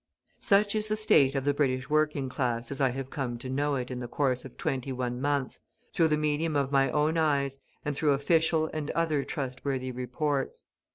Such is the state of the British working class as I have come to know it in the course of twenty one months, through the medium of my own eyes, and through official and other trustworthy reports.